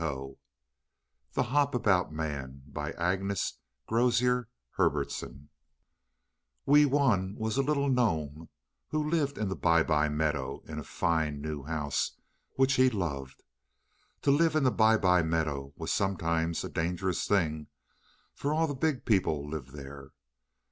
The Hop about Man AGNES GROZIER HERBERTSON Wee Wun was a little gnome who lived in the Bye bye Meadow, in a fine new house which he loved. To live in the Bye bye Meadow was sometimes a dangerous thing, for all the big people lived there.